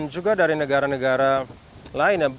juga dari negara negara lain